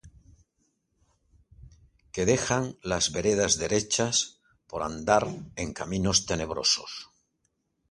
Que dejan las veredas derechas, Por andar en caminos tenebrosos;